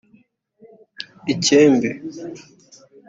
icyembe